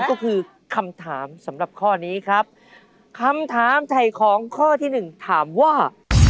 แต่ทราบไหมครับว่า